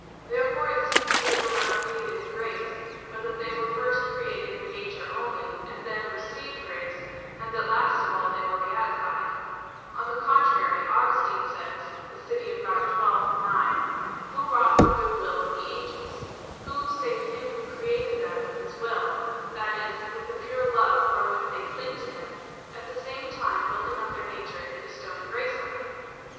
Therefore it seems that they were not created in grace; but that they were first created in nature only, and then received grace, and that last of all they were beatified. On the contrary, Augustine says (De Civ. Dei xii, 9), "Who wrought the good will of the angels? Who, save Him Who created them with His will, that is, with the pure love wherewith they cling to Him; at the same time building up their nature and bestowing grace on them?"